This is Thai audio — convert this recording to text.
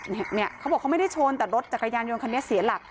เนี่ยเขาบอกเขาไม่ได้ชนแต่รถจักรยานยนต์คันนี้เสียหลัก